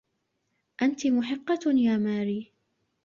أنتِ محقة يا ماري.